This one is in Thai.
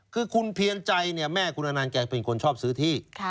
คือคุณเพียรใจเนี่ยแม่คุณอนันต์แกเป็นคนชอบซื้อที่